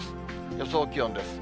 予想気温です。